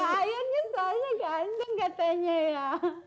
kayaknya soalnya ganteng katanya ya